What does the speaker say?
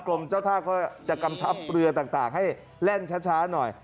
กรมเจ้าท่าก็จะกำชับเรือต่างให้แล่นช้าหน่อย